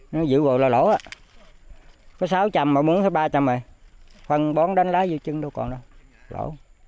nông dân chịu quá là lỗ có sáu trăm linh mà muốn ba trăm linh rồi phần bón đánh lái vô chân đâu còn đâu lỗ